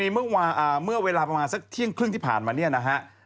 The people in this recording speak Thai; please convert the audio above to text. เมื่อเวลาประมาณสักเที่ยงครึ่งที่ผ่านมาเนี่ยนะฮะ